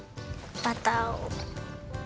バターを。